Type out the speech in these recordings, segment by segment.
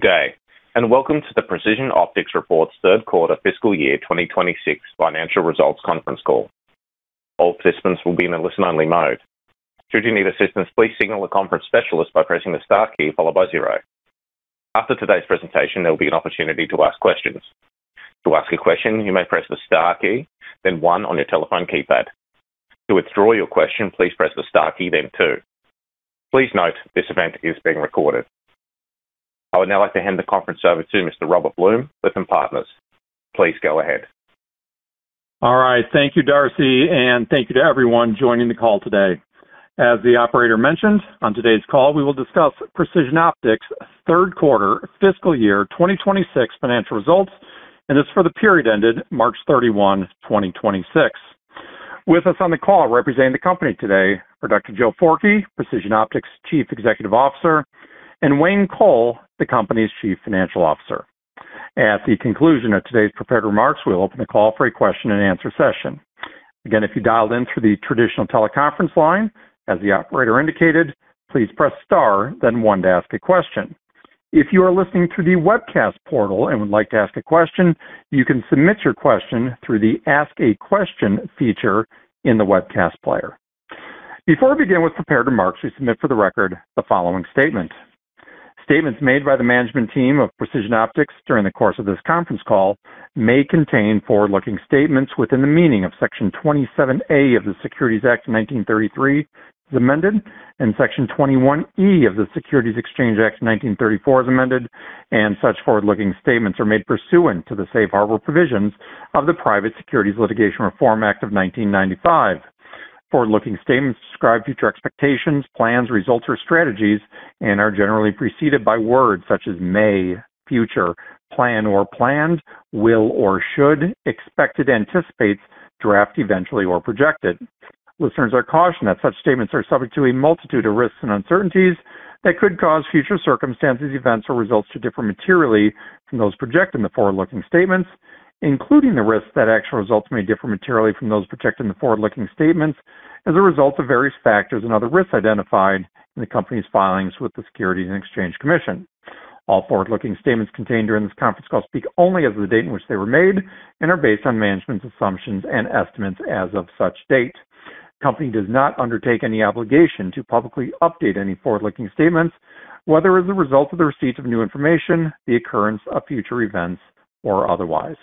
Good day. Welcome to the Precision Optics third quarter fiscal year 2026 financial results conference call. All participants will be in a listen-only mode. Should you need assistance, please signal the conference specialist by pressing the star key followed by zero. After today's presentation, there'll be an opportunity to ask questions. To ask a question, you may press the star key, then one on your telephone keypad. To withdraw your question, please press the star key, then two. Please note, this event is being recorded. I would now like to hand the conference over to Mr. Robert Blum with Lytham Partners. Please go ahead. All right. Thank you, Darcy, thank you to everyone joining the call today. As the operator mentioned, on today's call, we will discuss Precision Optics third quarter fiscal year 2026 financial results, and it's for the period ended March 31, 2026. With us on the call representing the company today are Dr. Joe Forkey, Precision Optics Chief Executive Officer, and Wayne M. Coll, the company's Chief Financial Officer. At the conclusion of today's prepared remarks, we'll open the call for a question-and-answer session. Again, if you dialed in through the traditional teleconference line, as the operator indicated, please press star then one to ask a question. If you are listening through the webcast portal and would like to ask a question, you can submit your question through the Ask a Question feature in the webcast player. Before I begin with prepared remarks, we submit for the record the following statement. Statements made by the management team of Precision Optics during the course of this conference call may contain forward-looking statements within the meaning of Section 27A of the Securities Act of 1933 as amended and Section 21E of the Securities Exchange Act of 1934 as amended, and such forward-looking statements are made pursuant to the Safe Harbor Provisions of the Private Securities Litigation Reform Act of 1995. Forward-looking statements describe future expectations, plans, results, or strategies and are generally preceded by words such as may, future, plan or planned, will or should, expected, anticipates, draft, eventually, or projected. Listeners are cautioned that such statements are subject to a multitude of risks and uncertainties that could cause future circumstances, events, or results to differ materially from those projected in the forward-looking statements, including the risks that actual results may differ materially from those projected in the forward-looking statements as a result of various factors and other risks identified in the company's filings with the Securities and Exchange Commission. All forward-looking statements contained during this conference call speak only as of the date in which they were made and are based on management's assumptions and estimates as of such date. The company does not undertake any obligation to publicly update any forward-looking statements, whether as a result of the receipt of new information, the occurrence of future events, or otherwise.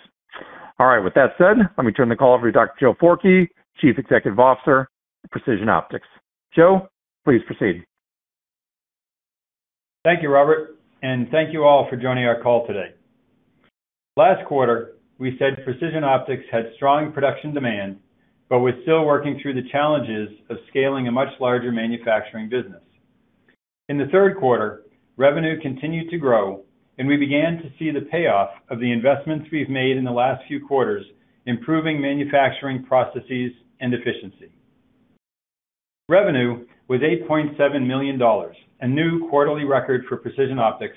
With that said, let me turn the call over to Dr. Joe Forkey, Chief Executive Officer, Precision Optics. Joe, please proceed. Thank you, Robert, and thank you all for joining our call today. Last quarter, we said Precision Optics had strong production demand but was still working through the challenges of scaling a much larger manufacturing business. In the third quarter, revenue continued to grow, and we began to see the payoff of the investments we've made in the last few quarters, improving manufacturing processes and efficiency. Revenue was $8.7 million, a new quarterly record for Precision Optics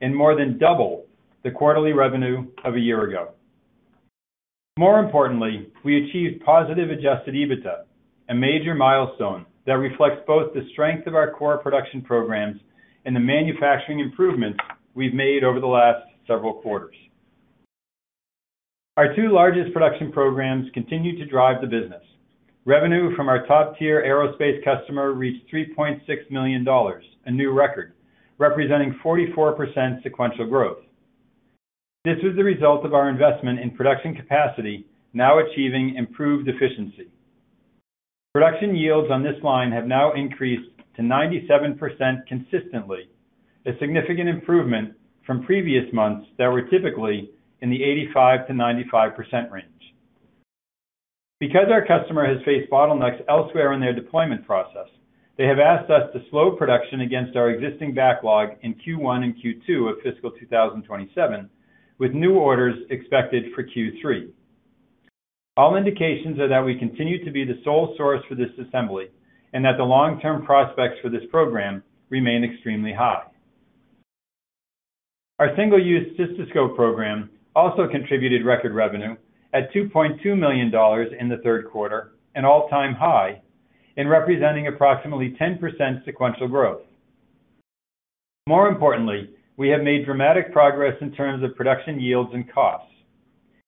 and more than double the quarterly revenue of a year ago. More importantly, we achieved positive adjusted EBITDA, a major milestone that reflects both the strength of our core production programs and the manufacturing improvements we've made over the last several quarters. Our two largest production programs continue to drive the business. Revenue from our top-tier aerospace customer reached $3.6 million, a new record, representing 44% sequential growth. This was the result of our investment in production capacity now achieving improved efficiency. Production yields on this line have now increased to 97% consistently, a significant improvement from previous months that were typically in the 85%-95% range. Our customer has faced bottlenecks elsewhere in their deployment process, they have asked us to slow production against our existing backlog in Q1 and Q2 of fiscal 2027, with new orders expected for Q3. All indications are that we continue to be the sole source for this assembly and that the long-term prospects for this program remain extremely high. Our single-use cystoscope program also contributed record revenue at $2.2 million in the third quarter, an all-time high, and representing approximately 10% sequential growth. More importantly, we have made dramatic progress in terms of production yields and costs.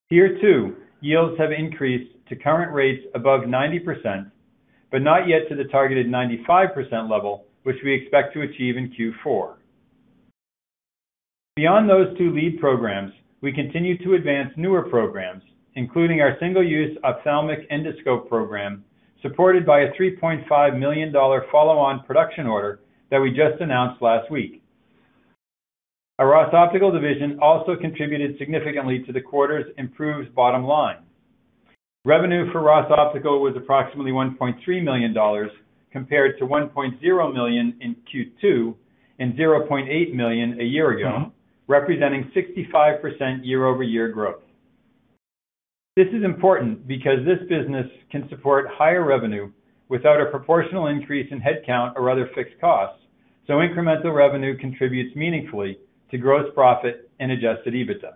Here too, yields have increased to current rates above 90%, but not yet to the targeted 95% level, which we expect to achieve in Q4. Beyond those two lead programs, we continue to advance newer programs, including our single-use ophthalmic endoscope program, supported by a $3.5 million follow-on production order that we just announced last week. Our Ross Optical division also contributed significantly to the quarter's improved bottom line. Revenue for Ross Optical was approximately $1.3 million compared to $1.0 million in Q2 and $0.8 million a year ago, representing 65% year-over-year growth. This is important because this business can support higher revenue without a proportional increase in headcount or other fixed costs, so incremental revenue contributes meaningfully to gross profit and adjusted EBITDA.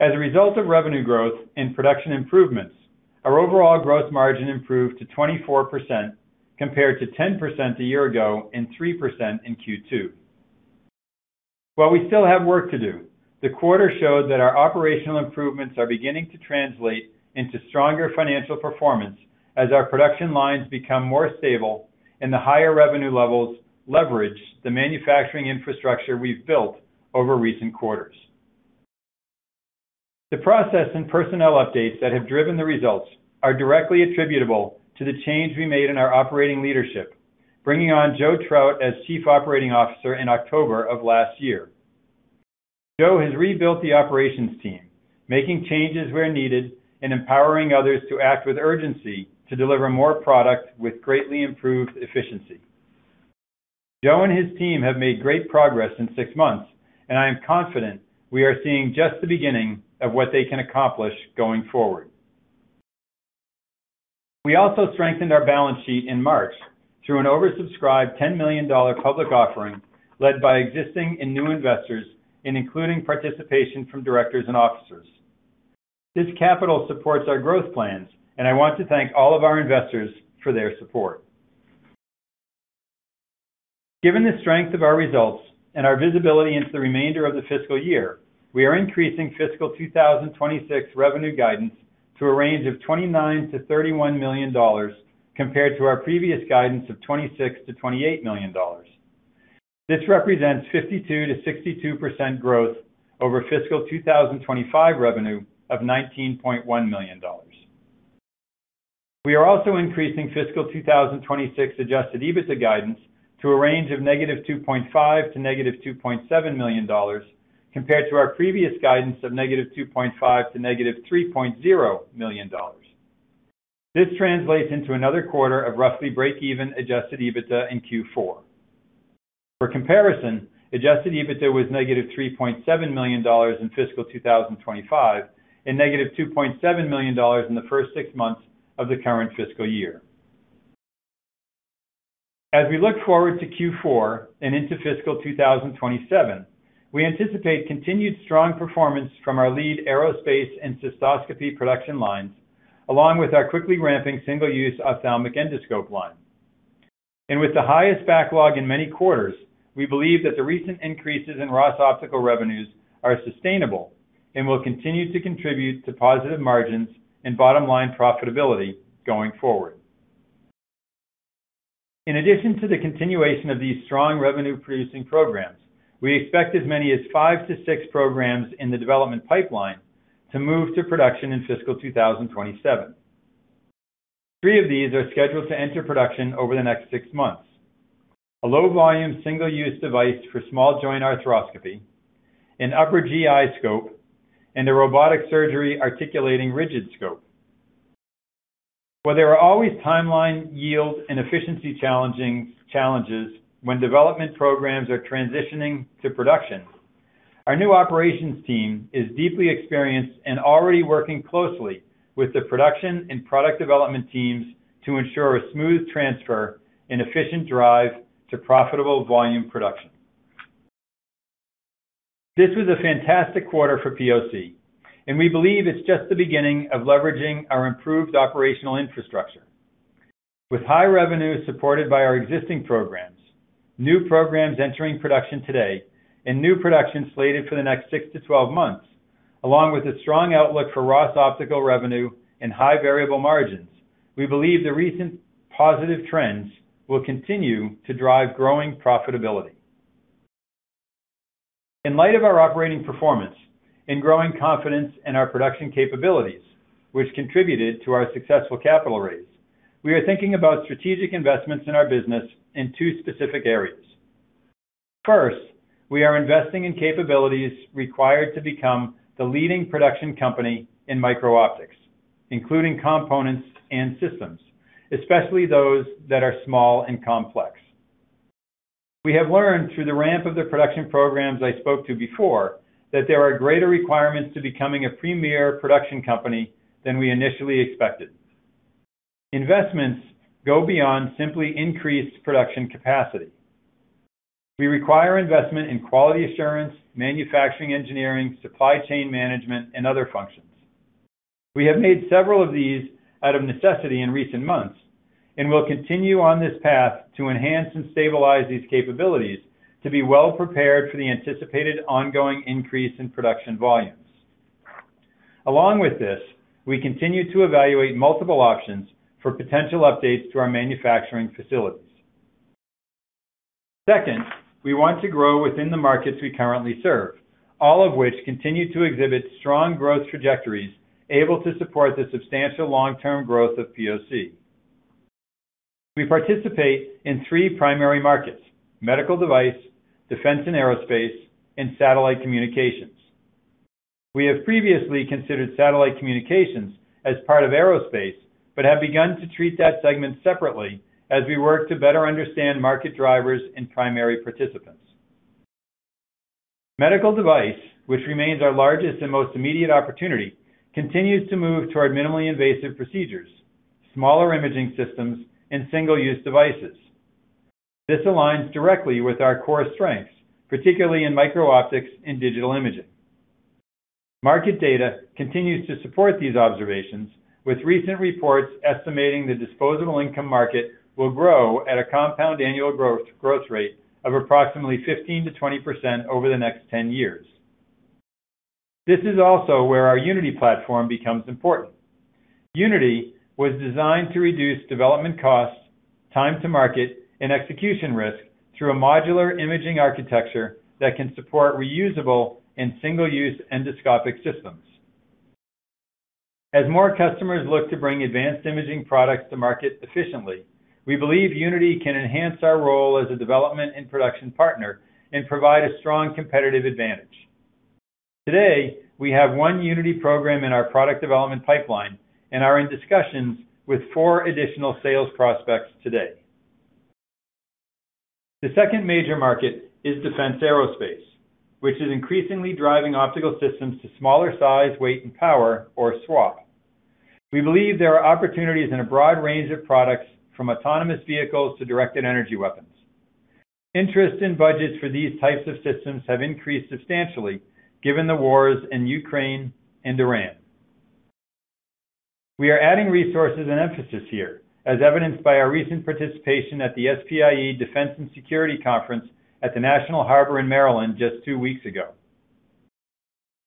As a result of revenue growth and production improvements, our overall growth margin improved to 24% compared to 10% a year ago and 3% in Q2. While we still have work to do, the quarter showed that our operational improvements are beginning to translate into stronger financial performance as our production lines become more stable and the higher revenue levels leverage the manufacturing infrastructure we've built over recent quarters. The process and personnel updates that have driven the results are directly attributable to the change we made in our operating leadership, bringing on Joseph Traut as Chief Operating Officer in October of last year. Joe has rebuilt the operations team, making changes where needed and empowering others to act with urgency to deliver more product with greatly improved efficiency. Joe and his team have made great progress in six months. I am confident we are seeing just the beginning of what they can accomplish going forward. We also strengthened our balance sheet in March through an oversubscribed $10 million public offering led by existing and new investors and including participation from directors and officers. This capital supports our growth plans. I want to thank all of our investors for their support. Given the strength of our results and our visibility into the remainder of the fiscal year, we are increasing fiscal 2026 revenue guidance to a range of $29 million-$31 million compared to our previous guidance of $26 million-$28 million. This represents 52%-62% growth over fiscal 2025 revenue of $19.1 million. We are also increasing fiscal 2026 adjusted EBITDA guidance to a range of -$2.5 million to -$2.7 million compared to our previous guidance of -$2.5 million to -$3.0 million. This translates into another quarter of roughly break-even adjusted EBITDA in Q4. For comparison, adjusted EBITDA was -$3.7 million in fiscal 2025 and -$2.7 million in the first six months of the current fiscal year. As we look forward to Q4 and into fiscal 2027, we anticipate continued strong performance from our lead aerospace and cystoscopy production lines, along with our quickly ramping single-use ophthalmic endoscope line. With the highest backlog in many quarters, we believe that the recent increases in Ross Optical revenues are sustainable and will continue to contribute to positive margins and bottom-line profitability going forward. In addition to the continuation of these strong revenue-producing programs, we expect as many as five to six programs in the development pipeline to move to production in fiscal 2027. Three of these are scheduled to enter production over the next six months. A low-volume single-use device for small joint arthroscopy, an upper GI scope, and a robotic surgery articulating rigid scope. While there are always timeline, yield, and efficiency challenges when development programs are transitioning to production, our new operations team is deeply experienced and already working closely with the production and product development teams to ensure a smooth transfer and efficient drive to profitable volume production. This was a fantastic quarter for POC. We believe it's just the beginning of leveraging our improved operational infrastructure. With high revenue supported by our existing programs, new programs entering production today, and new production slated for the next six to 12 months, along with a strong outlook for Ross Optical revenue and high variable margins, we believe the recent positive trends will continue to drive growing profitability. In light of our operating performance and growing confidence in our production capabilities, which contributed to our successful capital raise, we are thinking about strategic investments in our business in two specific areas. First, we are investing in capabilities required to become the leading production company in micro-optics, including components and systems, especially those that are small and complex. We have learned through the ramp of the production programs I spoke to before that there are greater requirements to becoming a premier production company than we initially expected. Investments go beyond simply increased production capacity. We require investment in quality assurance, manufacturing engineering, supply chain management, and other functions. We have made several of these out of necessity in recent months and will continue on this path to enhance and stabilize these capabilities to be well prepared for the anticipated ongoing increase in production volumes. Along with this, we continue to evaluate multiple options for potential updates to our manufacturing facilities. Second, we want to grow within the markets we currently serve, all of which continue to exhibit strong growth trajectories able to support the substantial long-term growth of POC. We participate in three primary markets: medical device, defense and aerospace, and satellite communications. We have previously considered satellite communications as part of aerospace but have begun to treat that segment separately as we work to better understand market drivers and primary participants. Medical device, which remains our largest and most immediate opportunity, continues to move toward minimally invasive procedures, smaller imaging systems, and single-use devices. This aligns directly with our core strengths, particularly in micro-optics and digital imaging. Market data continues to support these observations, with recent reports estimating the disposable income market will grow at a compound annual growth rate of approximately 15%-20% over the next 10 years. This is also where our Unity platform becomes important. Unity was designed to reduce development costs, time to market, and execution risk through a modular imaging architecture that can support reusable and single-use endoscopic systems. As more customers look to bring advanced imaging products to market efficiently, we believe Unity can enhance our role as a development and production partner and provide a strong competitive advantage. Today, we have one Unity program in our product development pipeline and are in discussions with four additional sales prospects today. The second major market is defense aerospace, which is increasingly driving optical systems to smaller size, weight, and power or SWAP. We believe there are opportunities in a broad range of products from autonomous vehicles to directed energy weapons. Interest in budgets for these types of systems have increased substantially given the wars in Ukraine and Iran. We are adding resources and emphasis here, as evidenced by our recent participation at the SPIE Defense + Commercial Sensing at the National Harbor in Maryland just two weeks ago.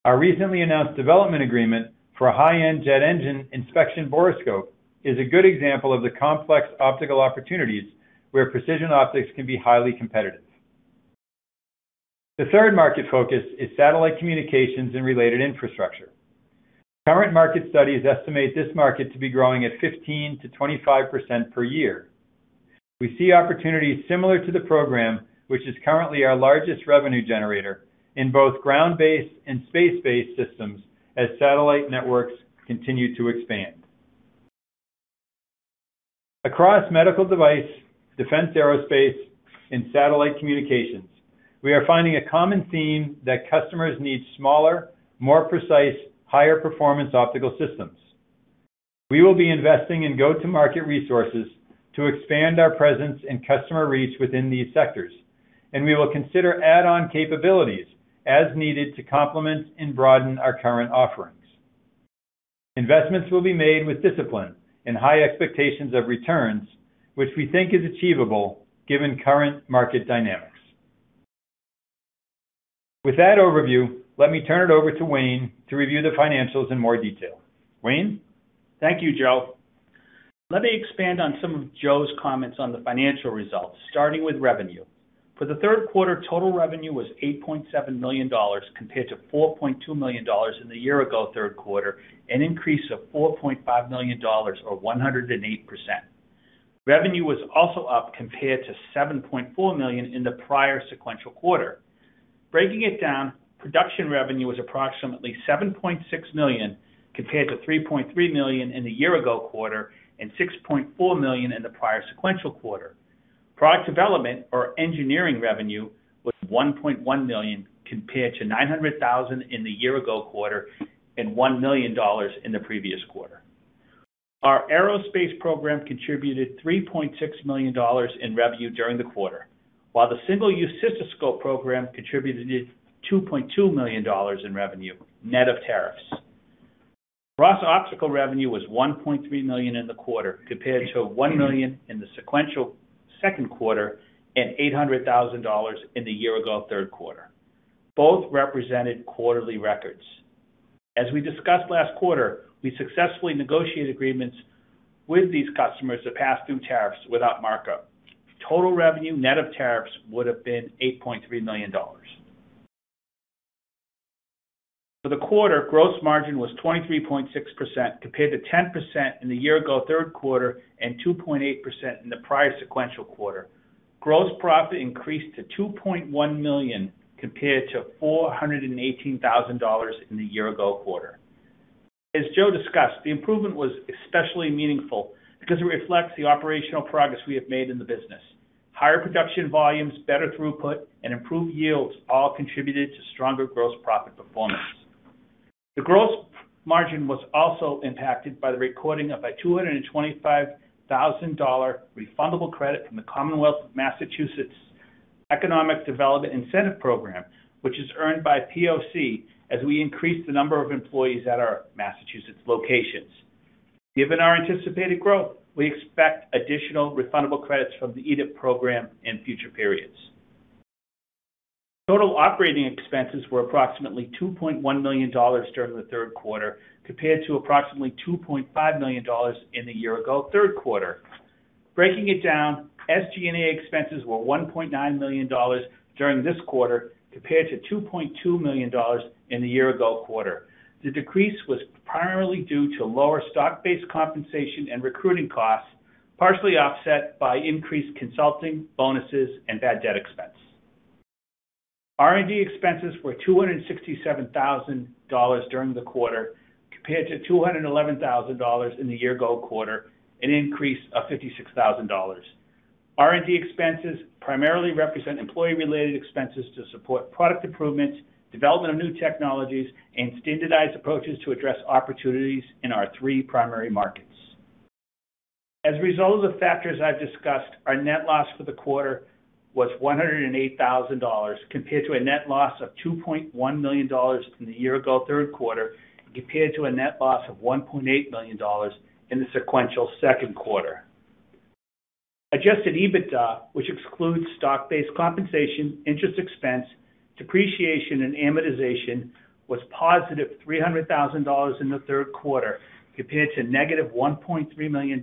Our recently announced development agreement for a high-end jet engine inspection borescope is a good example of the complex optical opportunities where Precision Optics can be highly competitive. The third market focus is satellite communications and related infrastructure. Current market studies estimate this market to be growing at 15%-25% per year. We see opportunities similar to the program, which is currently our largest revenue generator in both ground-based and space-based systems as satellite networks continue to expand. Across medical device, defense aerospace, and satellite communications, we are finding a common theme that customers need smaller, more precise, higher-performance optical systems. We will be investing in go-to-market resources to expand our presence and customer reach within these sectors, and we will consider add-on capabilities as needed to complement and broaden our current offerings. Investments will be made with discipline and high expectations of returns, which we think is achievable given current market dynamics. With that overview, let me turn it over to Wayne to review the financials in more detail. Wayne? Thank you, Joe. Let me expand on some of Joe's comments on the financial results, starting with revenue. For the third quarter, total revenue was $8.7 million compared to $4.2 million in the year-ago third quarter, an increase of $4.5 million or 108%. Revenue was also up compared to $7.4 million in the prior sequential quarter. Breaking it down, production revenue was approximately $7.6 million compared to $3.3 million in the year-ago quarter and $6.4 million in the prior sequential quarter. Product development or engineering revenue was $1.1 million compared to $900,000 in the year-ago quarter and $1 million in the previous quarter. Our aerospace program contributed $3.6 million in revenue during the quarter, while the single-use cystoscope program contributed $2.2 million in revenue, net of tariffs. Ross Optical revenue was $1.3 million in the quarter compared to $1 million in the sequential second quarter and $800,000 in the year ago third quarter. Both represented quarterly records. As we discussed last quarter, we successfully negotiated agreements with these customers to pass through tariffs without markup. Total revenue net of tariffs would have been $8.3 million. For the quarter, gross margin was 23.6% compared to 10% in the year ago third quarter and 2.8% in the prior sequential quarter. Gross profit increased to $2.1 million compared to $418,000 in the year ago quarter. As Joe discussed, the improvement was especially meaningful because it reflects the operational progress we have made in the business. Higher production volumes, better throughput, and improved yields all contributed to stronger gross profit performance. The gross margin was also impacted by the recording of a $225,000 refundable credit from the Commonwealth of Massachusetts Economic Development Incentive Program, which is earned by POC as we increase the number of employees at our Massachusetts locations. Given our anticipated growth, we expect additional refundable credits from the EDIP program in future periods. Total operating expenses were approximately $2.1 million during the third quarter compared to approximately $2.5 million in the year-ago third quarter. Breaking it down, SG&A expenses were $1.9 million during this quarter compared to $2.2 million in the year-ago quarter. The decrease was primarily due to lower stock-based compensation and recruiting costs, partially offset by increased consulting, bonuses, and bad debt expense. R&D expenses were $267,000 during the quarter compared to $211,000 in the year ago quarter, an increase of $56,000. R&D expenses primarily represent employee-related expenses to support product improvement, development of new technologies, and standardized approaches to address opportunities in our three primary markets. As a result of the factors I've discussed, our net loss for the quarter was $108,000 compared to a net loss of $2.1 million from the year-ago third quarter and compared to a net loss of $1.8 million in the sequential second quarter. Adjusted EBITDA, which excludes stock-based compensation, interest expense, depreciation, and amortization, was positive $300,000 in the third quarter compared to negative $1.3 million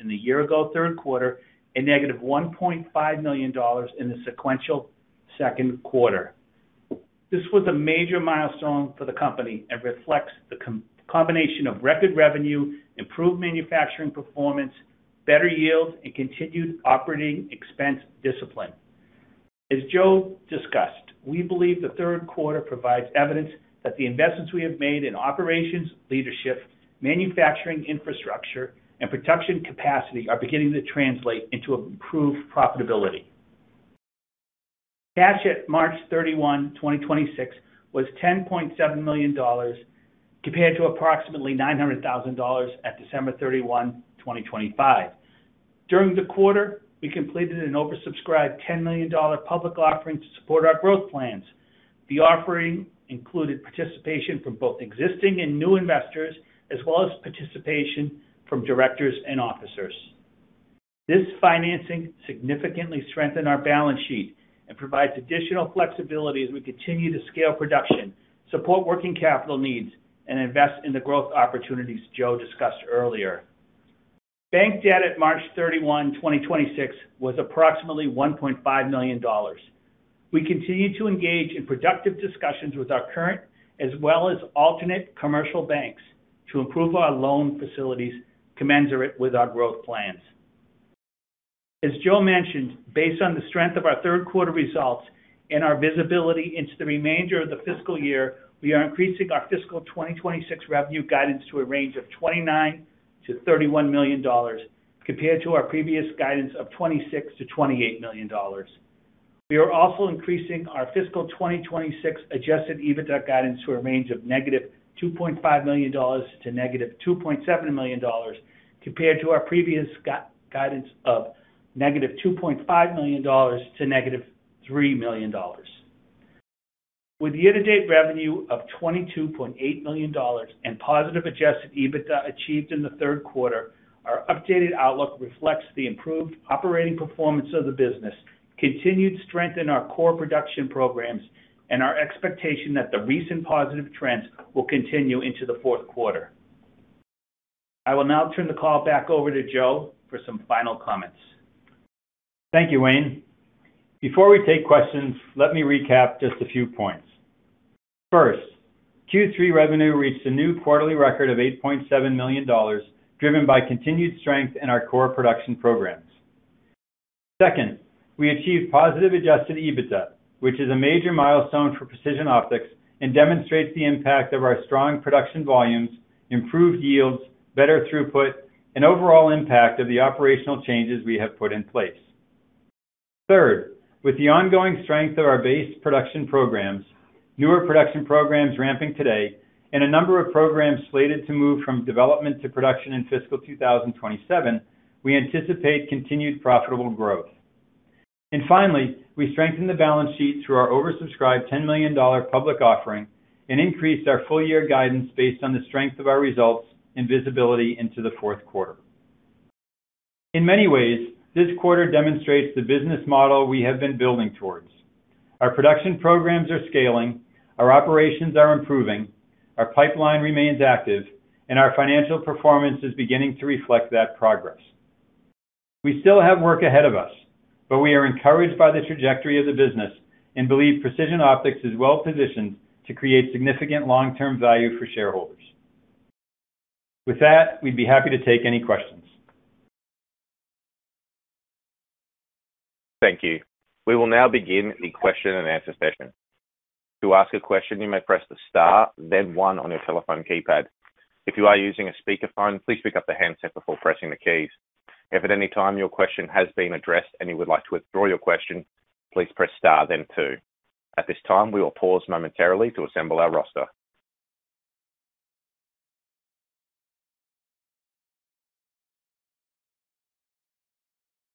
in the year-ago third quarter and negative $1.5 million in the sequential second quarter. This was a major milestone for the company and reflects the combination of record revenue, improved manufacturing performance, better yield, and continued operating expense discipline. As Joe discussed, we believe the third quarter provides evidence that the investments we have made in operations, leadership, manufacturing infrastructure, and production capacity are beginning to translate into improved profitability. Cash at March 31, 2026 was $10.7 million compared to approximately $900,000 at December 31, 2025. During the quarter, we completed an oversubscribed $10 million public offering to support our growth plans. The offering included participation from both existing and new investors, as well as participation from directors and officers. This financing significantly strengthened our balance sheet and provides additional flexibility as we continue to scale production, support working capital needs, and invest in the growth opportunities Joe discussed earlier. Bank debt at March 31, 2026 was approximately $1.5 million. We continue to engage in productive discussions with our current as well as alternate commercial banks to improve our loan facilities commensurate with our growth plans. As Joe mentioned, based on the strength of our third quarter results and our visibility into the remainder of the fiscal year, we are increasing our fiscal 2026 revenue guidance to a range of $29 million-$31 million compared to our previous guidance of $26 million-$28 million. We are also increasing our fiscal 2026 adjusted EBITDA guidance to a range of negative $2.5 million to negative $2.7 million compared to our previous guidance of negative $2.5 million to negative $3 million. With year-to-date revenue of $22.8 million and positive adjusted EBITDA achieved in the third quarter, our updated outlook reflects the improved operating performance of the business, continued strength in our core production programs, and our expectation that the recent positive trends will continue into the fourth quarter. I will now turn the call back over to Joe for some final comments. Thank you, Wayne. Before we take questions, let me recap just a few points. First, Q3 revenue reached a new quarterly record of $8.7 million, driven by continued strength in our core production programs. Second, we achieved positive adjusted EBITDA, which is a major milestone for Precision Optics and demonstrates the impact of our strong production volumes, improved yields, better throughput, and overall impact of the operational changes we have put in place. Third, with the ongoing strength of our base production programs, newer production programs ramping today, and a number of programs slated to move from development to production in fiscal 2027, we anticipate continued profitable growth. Finally, we strengthened the balance sheet through our oversubscribed $10 million public offering and increased our full year guidance based on the strength of our results and visibility into the fourth quarter. In many ways, this quarter demonstrates the business model we have been building towards. Our production programs are scaling, our operations are improving, our pipeline remains active, and our financial performance is beginning to reflect that progress. We still have work ahead of us, but we are encouraged by the trajectory of the business and believe Precision Optics is well-positioned to create significant long-term value for shareholders. With that, we'd be happy to take any questions. Thank you. We will now begin the question and answer session. To ask a question, you may press the star then one on your telephone keypad. If you are using a speakerphone, please pick up the handset before pressing the keys. If at any time your question has been addressed and you would like to withdraw your question, please press star then two. At this time, we will pause momentarily to assemble our roster.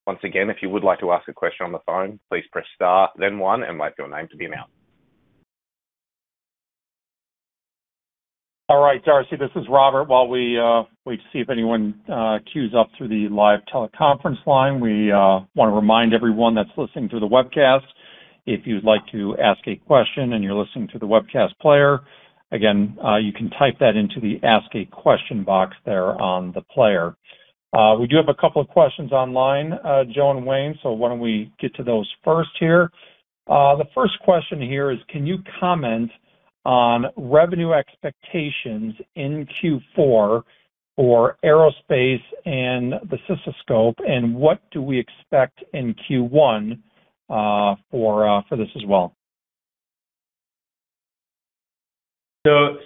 Once again, if you would like to ask a question on the phone, please press star then one and wait for your name to be announced. All right, Darcy, this is Robert. While we wait to see if anyone queues up through the live teleconference line, we want to remind everyone that's listening through the webcast, if you'd like to ask a question and you're listening to the webcast player, again, you can type that into the ask a question box there on the player. We do have a couple of questions online, Joe and Wayne, why don't we get to those first here. The first question here is, can you comment on revenue expectations in Q4 for aerospace and the cystoscope, what do we expect in Q1 for this as well?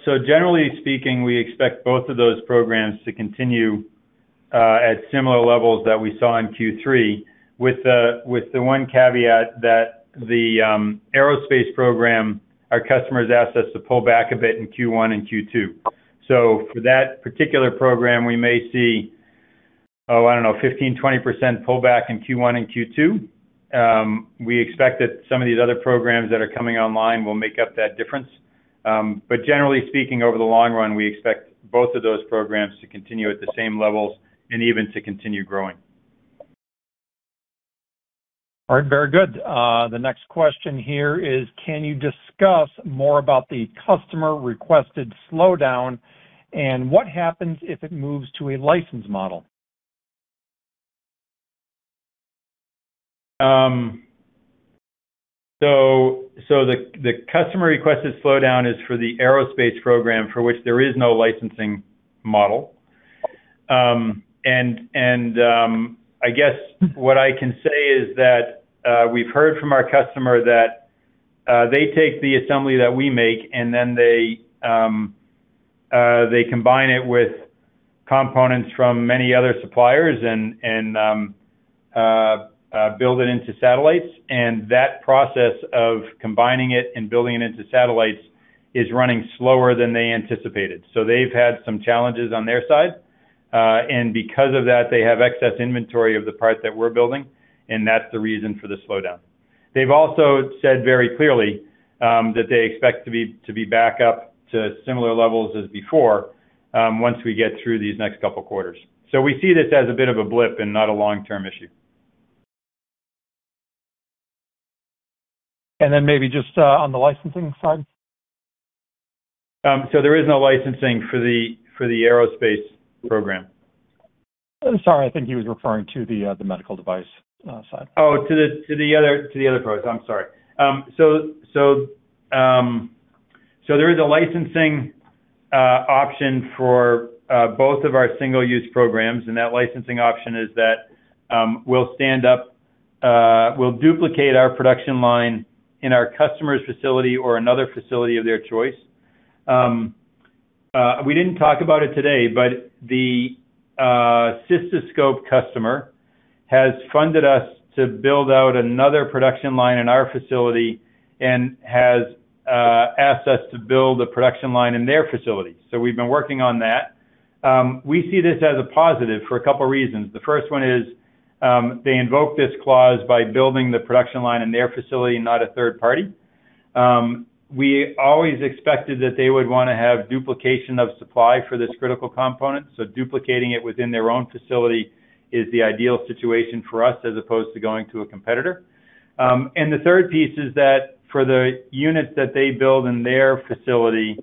Generally speaking, we expect both of those programs to continue at similar levels that we saw in Q3 with the one caveat that the aerospace program, our customers asked us to pull back a bit in Q1 and Q2. For that particular program, we may see 15%-20% pullback in Q1 and Q2. We expect that some of these other programs that are coming online will make up that difference. Generally speaking, over the long run, we expect both of those programs to continue at the same levels and even to continue growing. All right. Very good. The next question here is, can you discuss more about the customer-requested slowdown, and what happens if it moves to a license model? The customer-requested slowdown is for the aerospace program for which there is no licensing model. I guess what I can say is that we've heard from our customer that they take the assembly that we make, and then they combine it with components from many other suppliers and build it into satellites. That process of combining it and building it into satellites is running slower than they anticipated. They've had some challenges on their side, because of that, they have excess inventory of the parts that we're building, and that's the reason for the slowdown. They've also said very clearly that they expect to be back up to similar levels as before once we get through these next couple quarters. We see this as a bit of a blip and not a long-term issue. Maybe just on the licensing side. There is no licensing for the aerospace program. Sorry, I think he was referring to the medical device, side. To the other program. I'm sorry. There is a licensing option for both of our single-use programs, and that licensing option is that we'll stand up, we'll duplicate our production line in our customer's facility or another facility of their choice. We didn't talk about it today, but the cystoscope customer has funded us to build out another production line in our facility and has asked us to build a production line in their facility. We've been working on that. We see this as a positive for two reasons. The first one is, they invoke this clause by building the production line in their facility and not a third party. We always expected that they would want to have duplication of supply for this critical component. Duplicating it within their own facility is the ideal situation for us as opposed to going to a competitor. The third piece is that for the units that they build in their facility,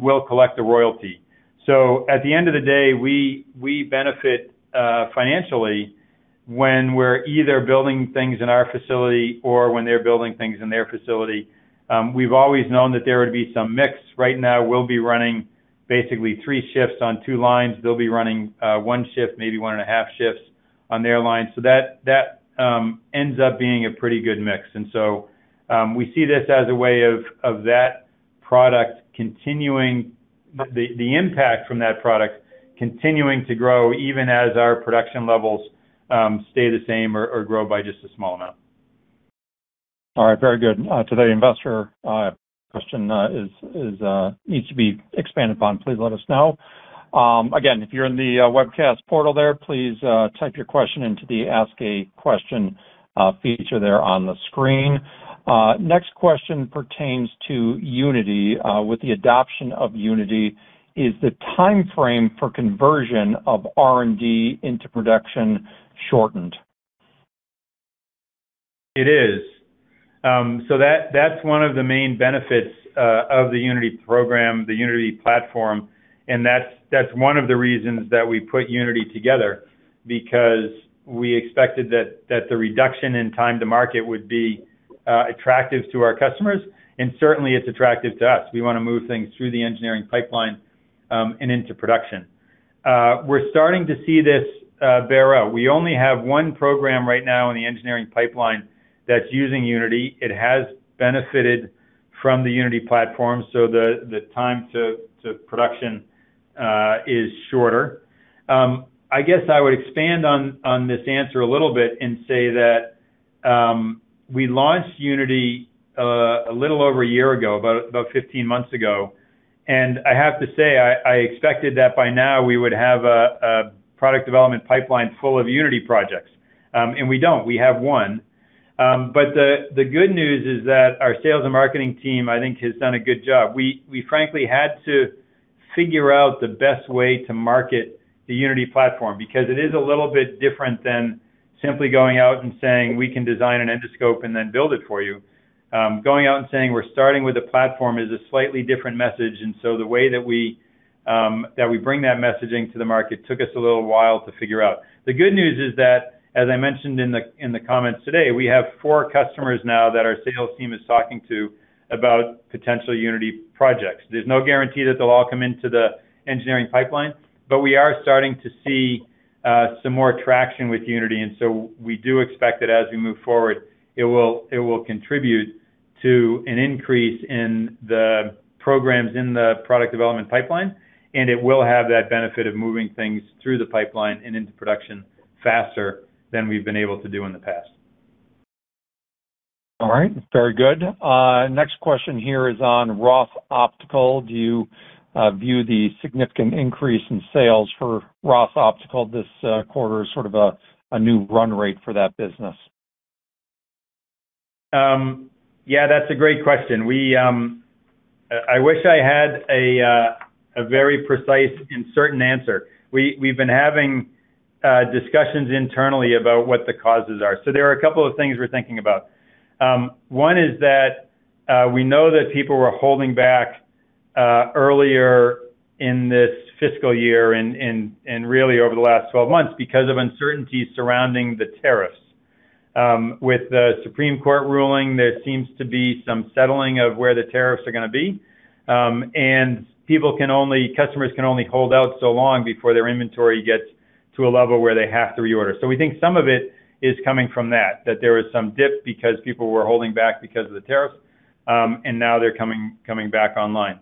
we'll collect a royalty. At the end of the day, we benefit financially when we're either building things in our facility or when they're building things in their facility. We've always known that there would be some mix. Right now, we'll be running basically three shifts on two lines. They'll be running one shift, maybe 1.5 shifts on their line. That ends up being a pretty good mix. We see this as a way of the impact from that product continuing to grow even as our production levels stay the same or grow by just a small amount. Right. Very good. Today, investor question needs to be expanded upon, please let us know. Again, if you're in the webcast portal there, please type your question into the ask a question feature there on the screen. Next question pertains to Unity. With the adoption of Unity, is the timeframe for conversion of R&D into production shortened? It is. That's one of the main benefits of the Unity program, the Unity platform. That's one of the reasons that we put Unity together, because we expected that the reduction in time to market would be attractive to our customers, and certainly it's attractive to us. We want to move things through the engineering pipeline and into production. We're starting to see this bear out. We only have one program right now in the engineering pipeline that's using Unity. It has benefited from the Unity platform, so the time to production is shorter. I guess I would expand on this answer a little bit and say that we launched Unity a little over a year ago, about 15 months ago. I have to say, I expected that by now we would have a product development pipeline full of Unity projects. We don't. We have one. The good news is that our sales and marketing team, I think, has done a good job. We frankly had to figure out the best way to market the Unity platform because it is a little bit different than simply going out and saying, "We can design an endoscope and then build it for you." Going out and saying, "We're starting with a platform," is a slightly different message. The way that we bring that messaging to the market took us a little while to figure out. The good news is that, as I mentioned in the comments today, we have four customers now that our sales team is talking to about potential Unity projects. There's no guarantee that they'll all come into the engineering pipeline, but we are starting to see some more traction with Unity. We do expect that as we move forward, it will contribute to an increase in the programs in the product development pipeline, and it will have that benefit of moving things through the pipeline and into production faster than we've been able to do in the past. All right, very good. Next question here is on Ross Optical. Do you view the significant increase in sales for Ross Optical this quarter as sort of a new run rate for that business? Yeah, that's a great question. We, I wish I had a very precise and certain answer. We've been having discussions internally about what the causes are. There are a couple of things we're thinking about. One is that we know that people were holding back earlier in this fiscal year and really over the last 12 months because of uncertainty surrounding the tariffs. With the Supreme Court ruling, there seems to be some settling of where the tariffs are gonna be. Customers can only hold out so long before their inventory gets to a level where they have to reorder. We think some of it is coming from that there was some dip because people were holding back because of the tariffs, and now they're coming back online.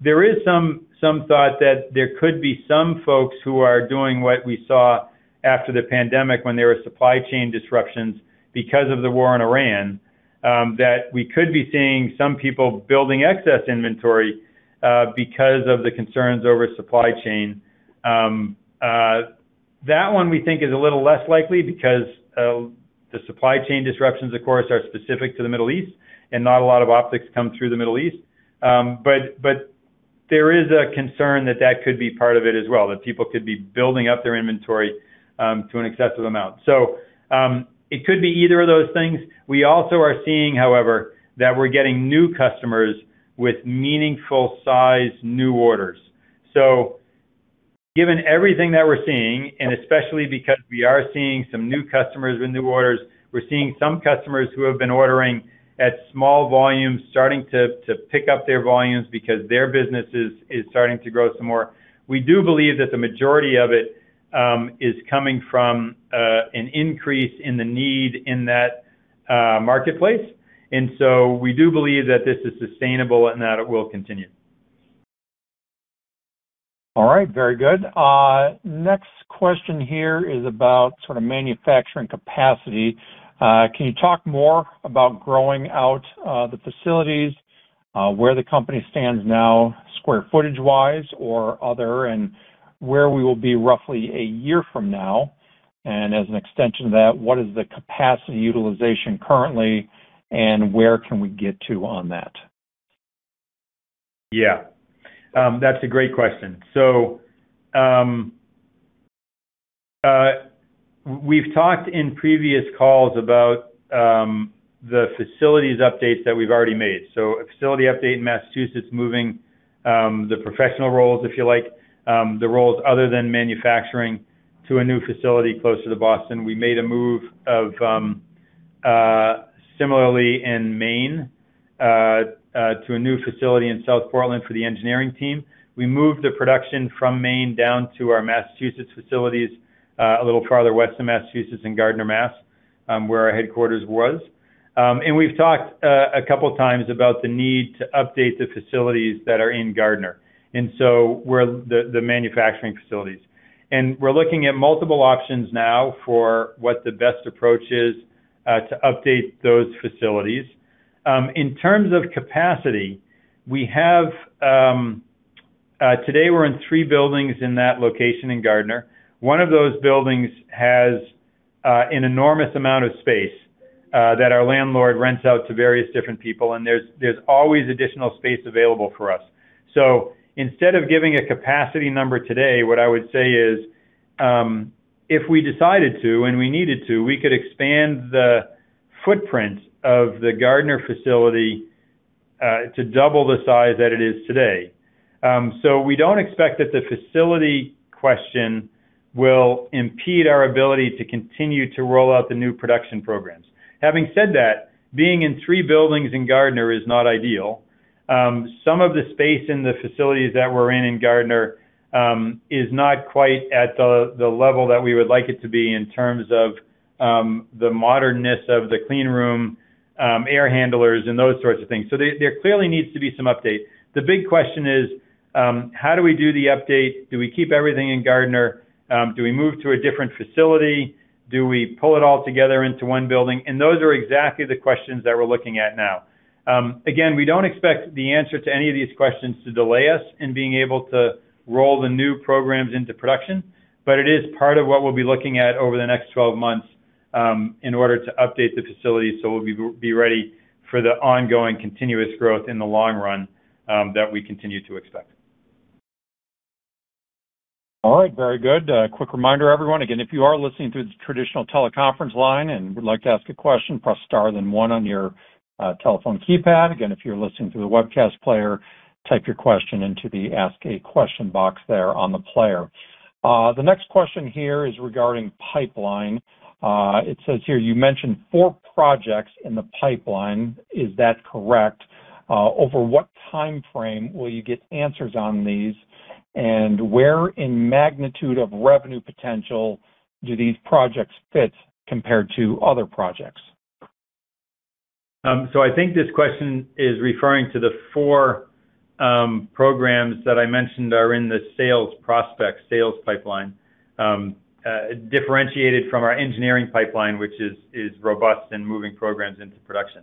There is some thought that there could be some folks who are doing what we saw after the pandemic when there were supply chain disruptions because of the war in Iran, that we could be seeing some people building excess inventory because of the concerns over supply chain. That one we think is a little less likely because the supply chain disruptions, of course, are specific to the Middle East, and not a lot of optics come through the Middle East. But there is a concern that that could be part of it as well, that people could be building up their inventory to an excessive amount. It could be either of those things. We also are seeing, however, that we're getting new customers with meaningful size new orders. Given everything that we're seeing, and especially because we are seeing some new customers with new orders, we're seeing some customers who have been ordering at small volumes starting to pick up their volumes because their business is starting to grow some more. We do believe that the majority of it is coming from an increase in the need in that marketplace. We do believe that this is sustainable and that it will continue. All right. Very good. Next question here is about sort of manufacturing capacity. Can you talk more about growing out, the facilities, where the company stands now square footage-wise or other, and where we will be roughly a year from now? As an extension to that, what is the capacity utilization currently, and where can we get to on that? That's a great question. We've talked in previous calls about the facilities updates that we've already made. A facility update in Massachusetts moving the professional roles, if you like, the roles other than manufacturing to a new facility closer to Boston. We made a move of similarly in Maine to a new facility in South Portland for the engineering team. We moved the production from Maine down to our Massachusetts facilities, a little farther west of Massachusetts in Gardner, Mass., where our headquarters was. We've talked a couple times about the need to update the facilities that are in Gardner. We're the manufacturing facilities. We're looking at multiple options now for what the best approach is to update those facilities. In terms of capacity, we have today we're in three buildings in that location in Gardner. One of those buildings has an enormous amount of space that our landlord rents out to various different people, and there's always additional space available for us. Instead of giving a capacity number today, what I would say is, if we decided to and we needed to, we could expand the footprint of the Gardner facility to 2x the size that it is today. We don't expect that the facility question will impede our ability to continue to roll out the new production programs. Having said that, being in three buildings in Gardner is not ideal. Some of the space in the facilities that we're in in Gardner is not quite at the level that we would like it to be in terms of the modernness of the cleanroom, air handlers and those sorts of things. There clearly needs to be some update. The big question is, how do we do the update? Do we keep everything in Gardner? Do we move to a different facility? Do we pull it all together into one building? Those are exactly the questions that we're looking at now. Again, we don't expect the answer to any of these questions to delay us in being able to roll the new programs into production, but it is part of what we'll be looking at over the next 12 months in order to update the facility so we'll be ready for the ongoing continuous growth in the long run that we continue to expect. All right. Very good. Quick reminder, everyone. Again, if you are listening through the traditional teleconference line and would like to ask a question, press star then one on your telephone keypad. Again, if you're listening through the webcast player, type your question into the ask a question box there on the player. The next question here is regarding pipeline. It says here you mentioned four projects in the pipeline. Is that correct? Over what timeframe will you get answers on these? Where in magnitude of revenue potential do these projects fit compared to other projects? I think this question is referring to the four programs that I mentioned are in the sales prospect, sales pipeline. Differentiated from our engineering pipeline, which is robust and moving programs into production.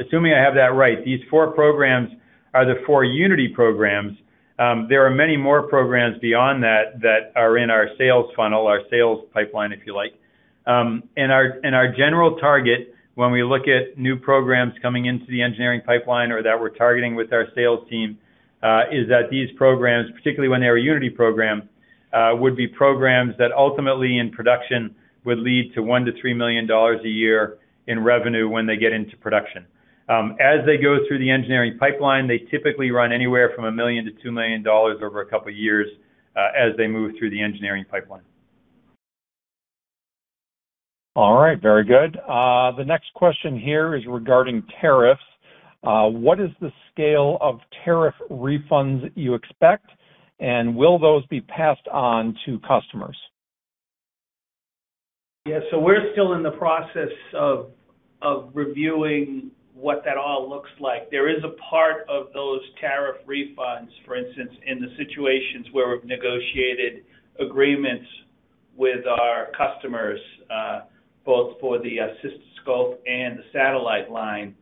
Assuming I have that right, these four programs are the four Unity programs. There are many more programs beyond that that are in our sales funnel, our sales pipeline, if you like. Our general target when we look at new programs coming into the engineering pipeline or that we're targeting with our sales team, is that these programs, particularly when they're a Unity program, would be programs that ultimately in production would lead to $1 million-$3 million a year in revenue when they get into production. As they go through the engineering pipeline, they typically run anywhere from $1 million-$2 million over two years as they move through the engineering pipeline. All right. Very good. The next question here is regarding tariffs. What is the scale of tariff refunds you expect, and will those be passed on to customers? Yeah. We're still in the process of reviewing what that all looks like. There is a part of those tariff refunds, for instance, in the situations where we've negotiated agreements with our customers, both for the cystoscope and the satellite line,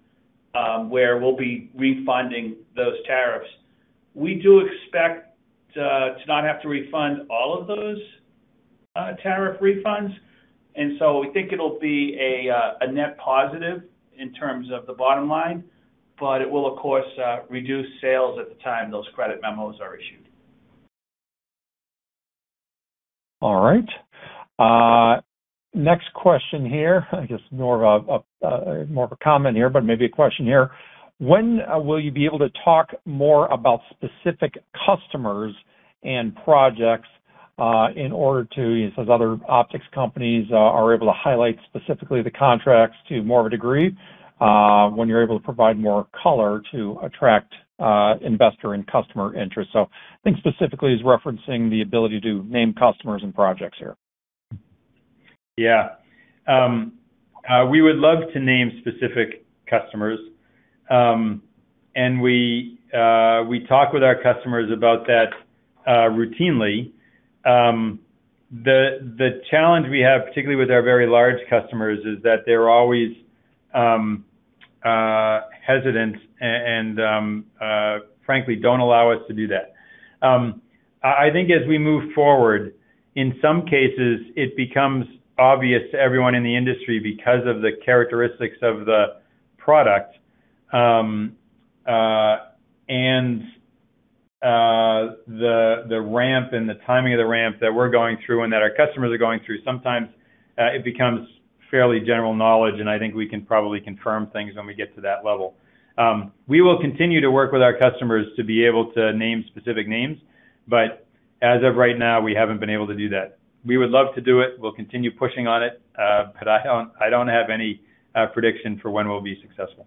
where we'll be refunding those tariffs. We do expect to not have to refund all of those tariff refunds. We think it'll be a net positive in terms of the bottom line, but it will of course reduce sales at the time those credit memos are issued. All right. Next question here, I guess more of a, more of a comment here, but maybe a question here. When will you be able to talk more about specific customers and projects, in order to, he says other optics companies, are able to highlight specifically the contracts to more of a degree, when you're able to provide more color to attract investor and customer interest. I think specifically he's referencing the ability to name customers and projects here. We would love to name specific customers. We talk with our customers about that routinely. The challenge we have, particularly with our very large customers, is that they're always hesitant and frankly don't allow us to do that. I think as we move forward, in some cases it becomes obvious to everyone in the industry because of the characteristics of the product and the ramp and the timing of the ramp that we're going through and that our customers are going through. Sometimes it becomes fairly general knowledge, and I think we can probably confirm things when we get to that level. We will continue to work with our customers to be able to name specific names, but as of right now, we haven't been able to do that. We would love to do it. We'll continue pushing on it, but I don't have any prediction for when we'll be successful.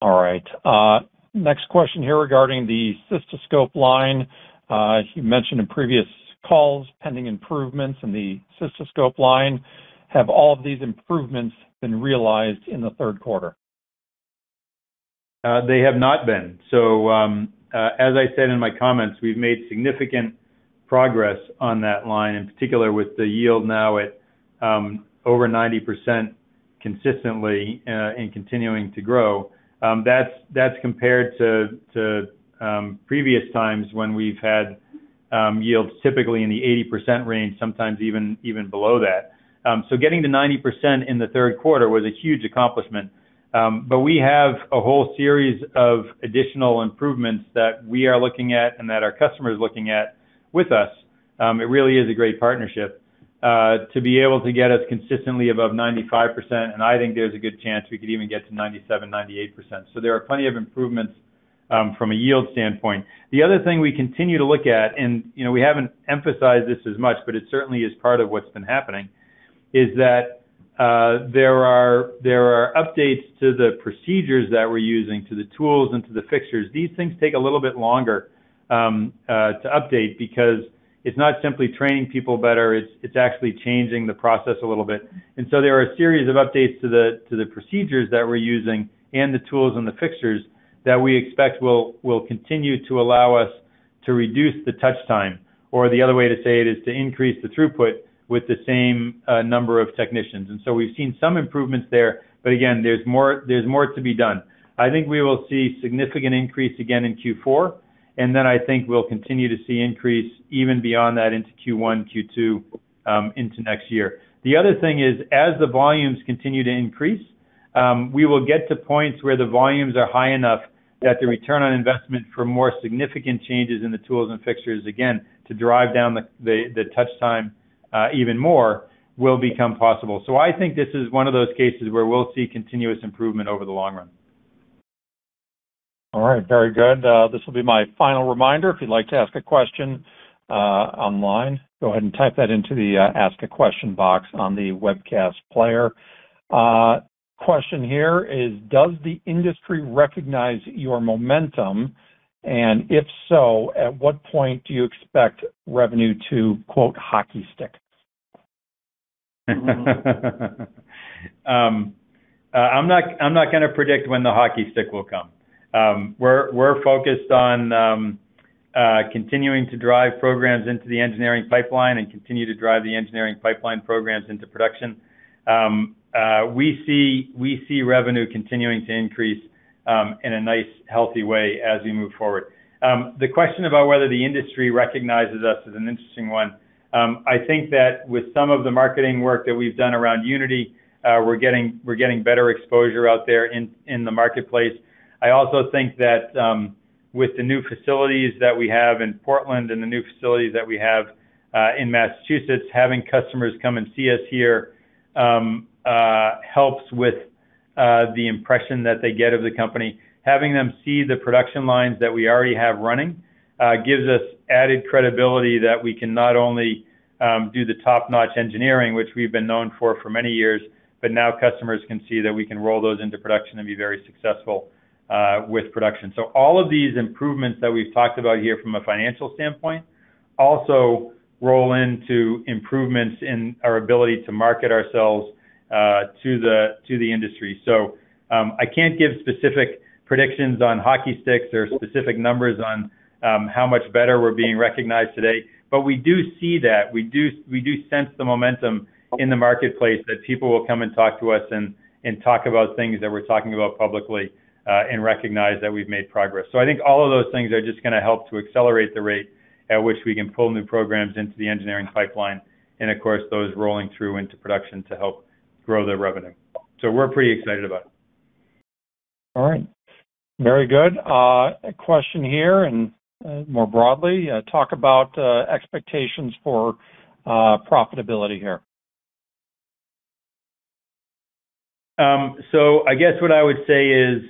All right. Next question here regarding the cystoscope line. You mentioned in previous calls pending improvements in the cystoscope line. Have all of these improvements been realized in the third quarter? They have not been. As I said in my comments, we've made significant progress on that line, in particular with the yield now at over 90% consistently and continuing to grow. That's compared to previous times when we've had yields typically in the 80% range, sometimes even below that. Getting to 90% in the third quarter was a huge accomplishment. We have a whole series of additional improvements that we are looking at and that our customer is looking at with us, it really is a great partnership to be able to get us consistently above 95%, and I think there's a good chance we could even get to 97%, 98%. There are plenty of improvements from a yield standpoint. The other thing we continue to look at, and, you know, we haven't emphasized this as much, but it certainly is part of what's been happening, is that, there are updates to the procedures that we're using, to the tools and to the fixtures. These things take a little bit longer, to update because it's not simply training people better, it's actually changing the process a little bit. There are a series of updates to the procedures that we're using and the tools and the fixtures that we expect will continue to allow us to reduce the touch time, or the other way to say it is to increase the throughput with the same number of technicians. We've seen some improvements there. Again, there's more to be done. I think we will see significant increase again in Q4, and then I think we'll continue to see increase even beyond that into Q1, Q2, into next year. The other thing is, as the volumes continue to increase, we will get to points where the volumes are high enough that the return on investment for more significant changes in the tools and fixtures, again, to drive down the touch time even more, will become possible. I think this is one of those cases where we'll see continuous improvement over the long run. All right. Very good. This will be my final reminder. If you'd like to ask a question, online, go ahead and type that into the ask a question box on the webcast player. Question here is: Does the industry recognize your momentum? If so, at what point do you expect revenue to "hockey stick"? I'm not gonna predict when the hockey stick will come. We're focused on continuing to drive programs into the engineering pipeline and continue to drive the engineering pipeline programs into production. We see revenue continuing to increase in a nice, healthy way as we move forward. The question about whether the industry recognizes us is an interesting one. I think that with some of the marketing work that we've done around Unity, we're getting better exposure out there in the marketplace. I also think that with the new facilities that we have in Portland and the new facilities that we have in Massachusetts, having customers come and see us here helps with the impression that they get of the company. Having them see the production lines that we already have running, gives us added credibility that we can not only do the top-notch engineering, which we've been known for for many years, but now customers can see that we can roll those into production and be very successful with production. All of these improvements that we've talked about here from a financial standpoint also roll into improvements in our ability to market ourselves to the industry. I can't give specific predictions on hockey sticks or specific numbers on how much better we're being recognized today, but we do see that. We do sense the momentum in the marketplace that people will come and talk to us and talk about things that we're talking about publicly and recognize that we've made progress. I think all of those things are just gonna help to accelerate the rate at which we can pull new programs into the engineering pipeline and, of course, those rolling through into production to help grow the revenue. We're pretty excited about it. All right. Very good. A question here and more broadly, talk about expectations for profitability here. I guess what I would say is,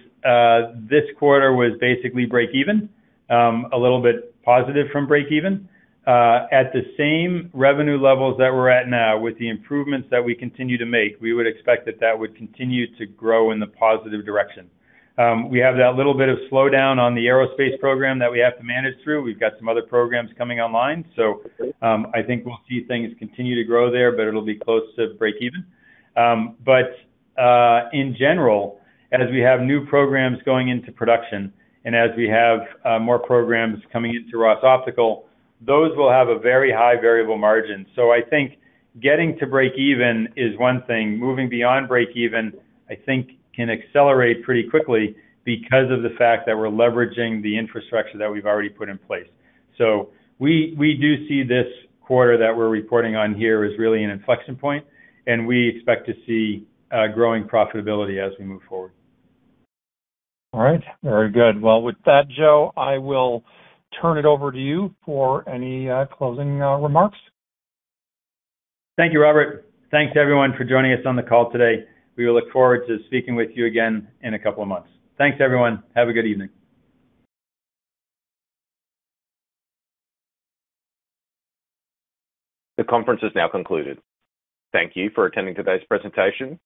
this quarter was basically break even, a little bit positive from break even. At the same revenue levels that we're at now with the improvements that we continue to make, we would expect that that would continue to grow in the positive direction. We have that little bit of slowdown on the aerospace program that we have to manage through. We've got some other programs coming online, I think we'll see things continue to grow there, but it'll be close to break even. In general, as we have new programs going into production and as we have more programs coming into Ross Optical, those will have a very high variable margin. I think getting to break even is one thing. Moving beyond break even, I think can accelerate pretty quickly because of the fact that we're leveraging the infrastructure that we've already put in place. We do see this quarter that we're reporting on here as really an inflection point, and we expect to see growing profitability as we move forward. All right. Very good. With that, Joe, I will turn it over to you for any closing remarks. Thank you, Robert. Thanks everyone for joining us on the call today. We look forward to speaking with you again in a couple of months. Thanks, everyone. Have a good evening. The conference is now concluded. Thank you for attending today's presentation.